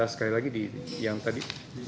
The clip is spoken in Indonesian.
sekali lagi yang tadi